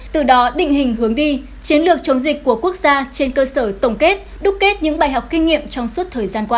từ đó định hình hướng đi chiến lược chống dịch của quốc gia trên cơ sở tổng kết đúc kết những bài học kinh nghiệm trong suốt thời gian qua